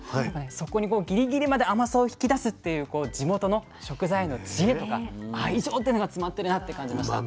そこにギリギリまで甘さを引き出すっていう地元の食材への知恵とか愛情というのが詰まってるなって感じました。